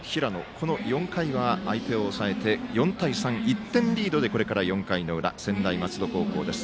この４回は相手を抑えて４対３、１点リードでこのあと攻撃が専大松戸高校です。